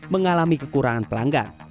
mengalami kekurangan pelanggan